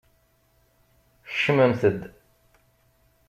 Kecmemt-d.